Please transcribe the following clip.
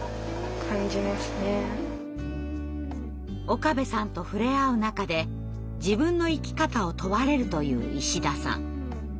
岡部さんと触れ合う中で自分の生き方を問われるという石田さん。